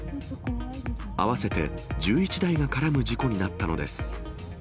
合わせて１１台が絡む事故になったのです。